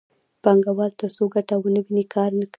پانګوال ترڅو ګټه ونه ویني کار نه کوي